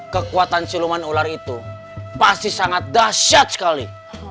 kekuatan siluman ular itu pasti sangat dahsyat sekali